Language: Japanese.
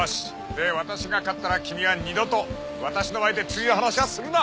で私が勝ったらキミは二度と私の前で釣りの話はするな！